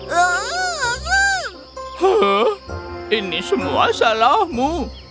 hah ini semua salahmu